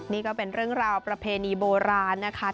นี่ก็เป็นเรื่องราวประเพณีโบราณนะคะ